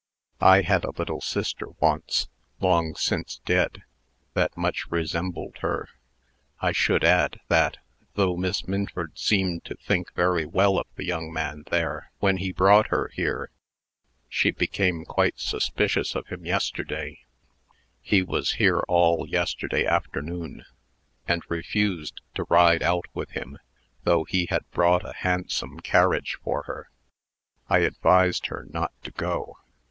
I had a little sister once long since dead that much resembled her. I should add, that, though Miss Minford seemed to think very well of the young man there, when he brought her here, she became quite suspicious of him yesterday he was here all yesterday afternoon and refused to ride out with him, though he had brought a handsome carriage for her. I advised her not to go."